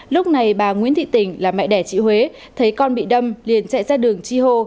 lúc này bà nguyễn thị tỉnh là mẹ đẻ chị huế thấy con bị đâm liền chạy ra đường chi hô